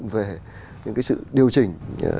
về những cái sự điều chỉnh